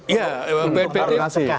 iya untuk pencegahan